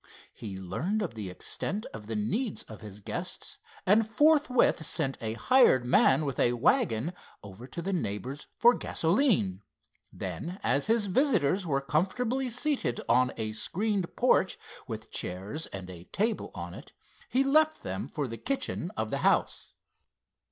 He learned of the extent of the needs of his guests, and forthwith sent a hired man with a wagon over to the neighbor's for gasoline. Then, as his visitors were comfortably seated on a screened porch, with chairs and a table on it, he left them for the kitchen of the house.